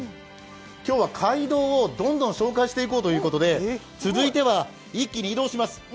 今日は街道をどんどん紹介していこうということで続いては一気に移動します。